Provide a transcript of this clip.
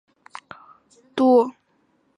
中共中央和鲍罗廷一样采取了妥协态度。